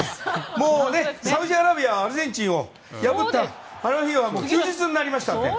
もうね、サウジアラビアはアルゼンチンを破ったあの日は休日になりましたので。